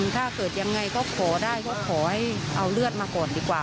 ถ้าเกิดยังไงก็ขอได้ก็ขอให้เอาเลือดมาก่อนดีกว่า